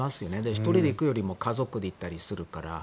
１人で行くよりも家族で行ったりするから。